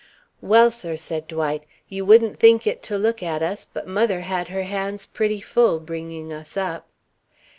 "Well, sir," said Dwight, "you wouldn't think it to look at us, but mother had her hands pretty full, bringing us up."